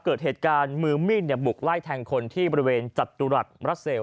เกิดเหตุการณ์มือมีดบุกไล่แทงคนที่บริเวณจัตุรัสบรัสเซล